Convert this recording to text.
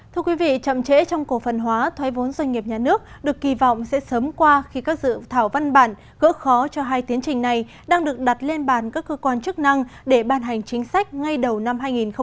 thưa quý vị chậm trễ trong cổ phần hóa thoái vốn doanh nghiệp nhà nước được kỳ vọng sẽ sớm qua khi các dự thảo văn bản gỡ khó cho hai tiến trình này đang được đặt lên bàn các cơ quan chức năng để ban hành chính sách ngay đầu năm hai nghìn hai mươi